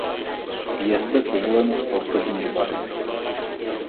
Je zde povoleno sportovní rybaření.